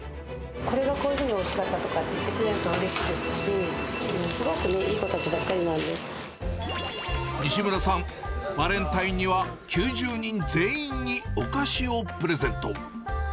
これがこういうふうにおいしかったとか言ってくれるとうれしいですし、すごくいい子たちばっ西村さん、バレンタインには、９０人全員にお菓子をプレゼント。